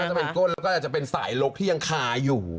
จะเป็นก้นแล้วก็อาจจะเป็นสายลกที่ยังคาอยู่